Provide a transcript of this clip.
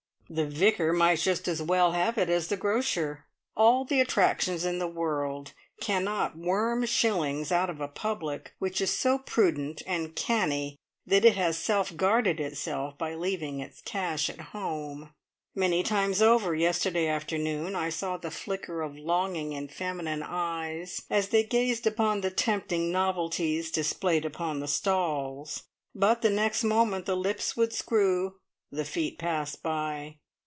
The Vicar might just as well have it as the grocer. All the attractions in the world cannot worm shillings out of a public which is so prudent and canny that it has self guarded itself by leaving its cash at home! Many times over yesterday afternoon I saw the flicker of longing in feminine eyes as they gazed upon the tempting novelties displayed upon the stalls, but the next moment the lips would screw, the feet pass by.